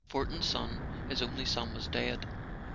Fortin's son, his only son, was dead.